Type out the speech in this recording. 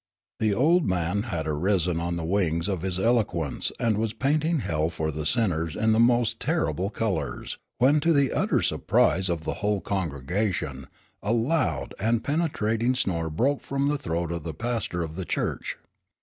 The old man had arisen on the wings of his eloquence and was painting hell for the sinners in the most terrible colors, when to the utter surprise of the whole congregation, a loud and penetrating snore broke from the throat of the pastor of the church.